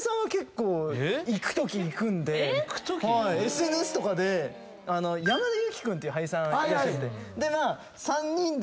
ＳＮＳとかで山田裕貴君って俳優さんいらっしゃって。